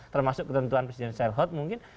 termasuk ketentuan presiden sherhout mungkin